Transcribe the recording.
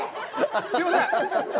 すみません。